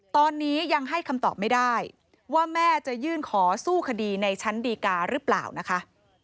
ตอนนี้ยังให้คำตอบไม่ได้ว่าแม่จะยื่นขอสู้คดีในชั้นดีกาหรือเปล่านะคะ